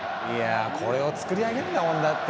これを作り上げんだもんだって。